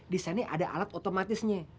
disini ada alat otomatisnya